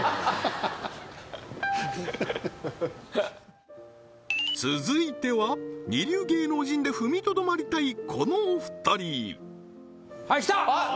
はっ続いては二流芸能人で踏みとどまりたいこのお二人はい来たあっ